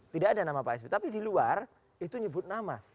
tidak ada nama pak sby tapi di luar itu nyebut nama